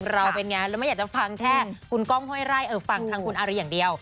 เราเป็นไงเราไม่อยากจะฟังแค่คุณก้องห้วยไร่ฟังทางคุณอารีอย่างเดียว